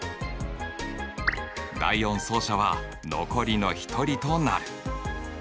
第４走者は残りの一人となる。